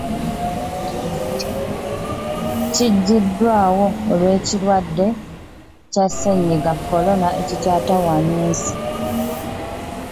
Kiggyiddwawo olw'ekirwadde kya Ssennyiga Corona ekikyatawaanya ensi.